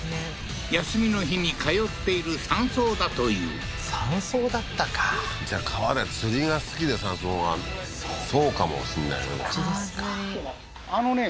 休みの日に通っている山荘だという山荘だったかじゃあ川で釣りが好きで山荘がそうかもしんないね